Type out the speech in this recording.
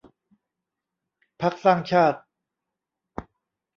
พรรคสร้างชาติ